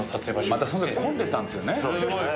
また混んでたんですよね。